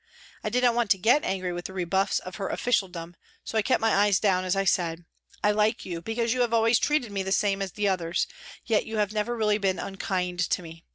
I did not want to get angry with the rebuffs of her officialdom, so I kept my eyes down as I said :" I like you because you have always treated me the same as the others, yet you have never really been unkind to me.